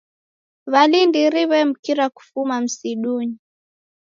W'alindiri w'emkira kufuma msidunyi.